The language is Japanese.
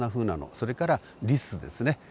それからリスですね。